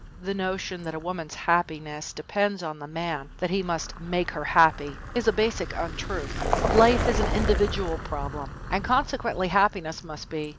The notion that a woman's happiness depends on the man that he must "make her happy" is a basic untruth. Life is an individual problem, and consequently happiness must be.